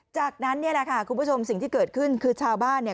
จากนั้นเนี่ยแหละค่ะคุณผู้ชมสิ่งที่เกิดขึ้นคือชาวบ้านเนี่ย